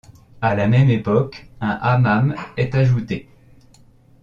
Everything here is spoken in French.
À la même époque un hammam est ajouté.